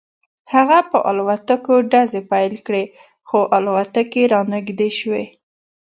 هغه په الوتکو ډزې پیل کړې خو الوتکې رانږدې شوې